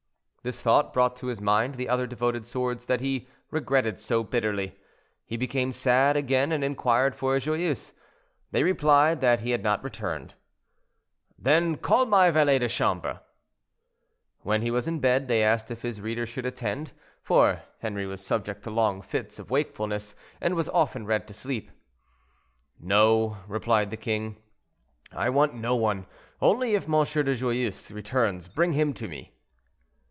This thought brought to his mind the other devoted swords that he regretted so bitterly. He became sad again, and inquired for Joyeuse. They replied that he had not returned. "Then call my valets de chambre." When he was in bed, they asked if his reader should attend, for Henri was subject to long fits of wakefulness, and was often read to sleep. "No," replied the king, "I want no one; only if M. de Joyeuse returns, bring him to me."